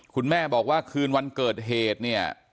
คุณแม่บอกว่าคืนวันเกิดเหตุเนี่ย